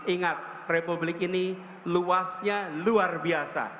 ingat republik ini luasnya luar biasa